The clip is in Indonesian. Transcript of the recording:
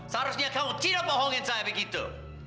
seharusnya kau tidak bohongin saya begitu